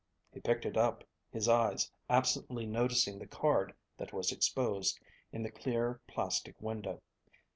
He picked it up, his eyes absently noticing the card that was exposed in the clear, plastic window.